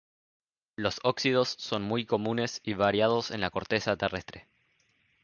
Los óxidos son muy comunes y variados en la corteza terrestre.